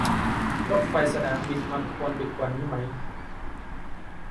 รถไฟสนามบินมันควรดึกกว่านี้ไหม